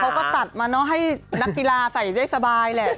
เขาก็ตัดมาให้นักศิลาใส่ได้สบายแหละ